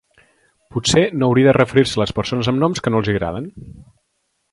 Potser no hauria de referir-se a les persones amb noms que no els hi agraden.